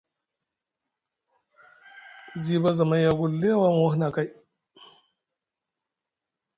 Ziba zamay agulɗi a wa muhunakay.